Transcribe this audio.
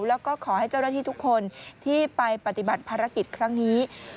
แล้วก็ขอให้เจ้าหน้าที่ทุกคนที่ไปปฏิบัติภารกิจครั้งนี้